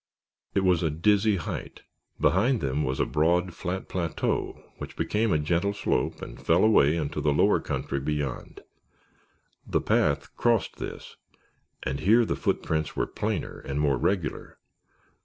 It was a dizzy height. Behind them was a broad, flat plateau which became a gentle slope and fell away into the lower country beyond. The path crossed this and here the footprints were plainer and more regular.